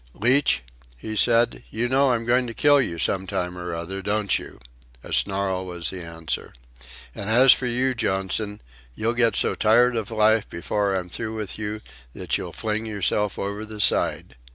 "Leach," he said, "you know I'm going to kill you some time or other, don't you?" A snarl was the answer. "And as for you, Johnson, you'll get so tired of life before I'm through with you that you'll fling yourself over the side.